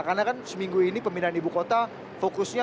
karena kan seminggu ini pemindahan ibu kota fokusnya